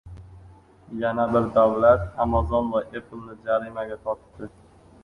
Yana bir davlat Amazon va Appleni jarimaga tortdi